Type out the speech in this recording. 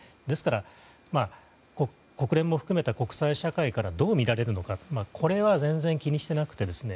ですから、国連も含めた国際社会からどう見られるのかこれは、全然気にしていなくて。